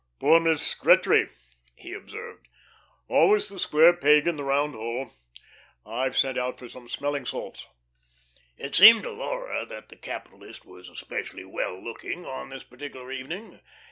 "Poor Miss Gretry!" he observed. "Always the square peg in the round hole. I've sent out for some smelling salts." It seemed to Laura that the capitalist was especially well looking on this particular evening.